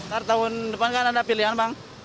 karena tahun depan kan ada pilihan bang